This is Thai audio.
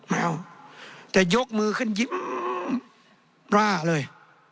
ไม่เอาแต่ยกมือขึ้นยิ้มร่าเลย